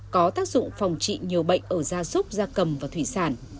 có tác dụng phòng trị nhiều bệnh ở da súc da cầm và thủy sản